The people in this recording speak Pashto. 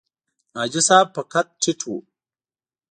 حاجي صاحب په قد ټیټ و.